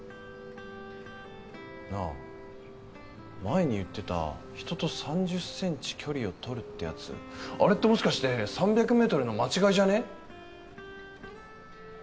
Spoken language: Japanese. なあ前に言ってた人と３０センチ距離を取るってやつあれってもしかして３００ｍの間違いじゃね？